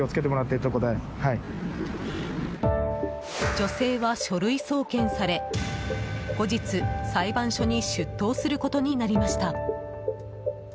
女性は書類送検され後日、裁判所に出頭することになりました。